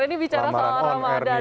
ini bicara sama ramadan